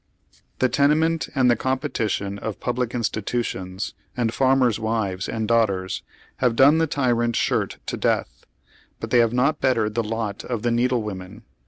The tenement and the competition of public institu tions and farmers' wives and daughters, have done the tyrant shirt to death, but thej have not bettered the lot of the needle women.